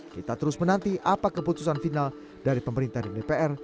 kita terus menanti apa keputusan final dari pemerintah dan dpr